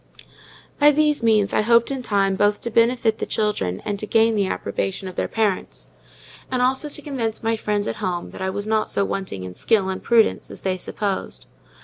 By these means I hoped in time both to benefit the children and to gain the approbation of their parents; and also to convince my friends at home that I was not so wanting in skill and prudence as they supposed.